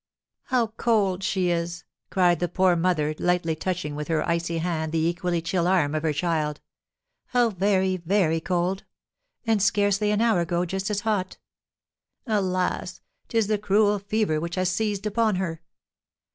"How cold she is!" cried the poor mother, lightly touching with her icy hand the equally chill arm of her child; "how very, very cold! and scarcely an hour ago just as hot! Alas, 'tis the cruel fever which has seized upon her!